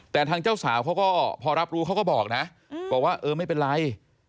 แต่ทางเจ้าสาวเขาก็พอรับรู้เขาก็บอกนะบอกว่าเออไม่เป็นไร